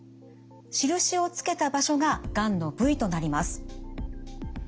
印をつけた場所ががんの部位となります。